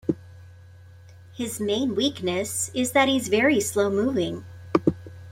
His main weakness is that he's very slow moving.